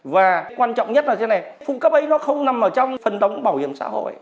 và quan trọng nhất là phụ cấp ấy nó không nằm trong phần đóng bảo hiểm xã hội